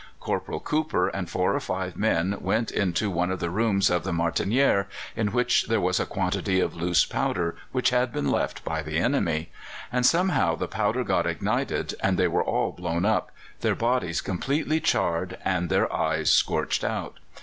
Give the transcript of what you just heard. Corporal Cooper and four or five men went into one of the rooms of the Martinière in which there was a quantity of loose powder which had been left by the enemy, and somehow the powder got ignited and they were all blown up, their bodies completely charred and their eyes scorched out.